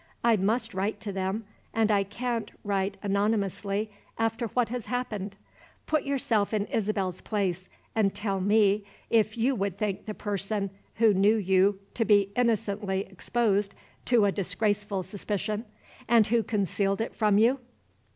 I must write to them; and I can't write anonymously after what has happened. Put yourself in Isabel's place, and tell me if you would thank the person who knew you to be innocently exposed to a disgraceful suspicion, and who concealed it from you?